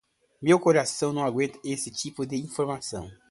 Meu coração não aguenta este tipo de informação.